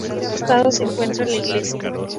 A un costado se encuentra la iglesia.